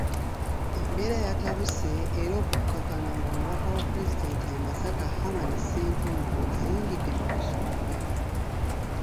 Embeera yatabuse era okukkakana ng'omubaka wa Pulezidenti e Masaka Herman Ssentongo ayingidde mu nsonga.